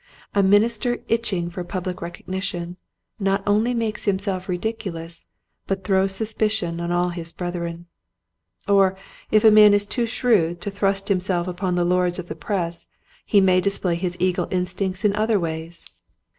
A minister itching for public recognition not only makes himself ridiculous but throws sus picion on all his brethren. Or if a man is too shrewd to thrust himself upon the lords of the press he may display his eagle instincts in other ways.